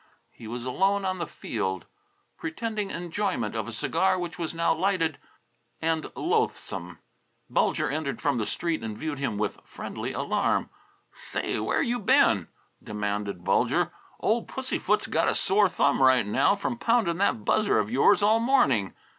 He was alone on the field, pretending enjoyment of a cigar which was now lighted and loathsome. Bulger entered from the street and viewed him with friendly alarm. "Say, where you been?" demanded Bulger. "Old Pussy foot's got a sore thumb right now from pounding that buzzer of yours all morning.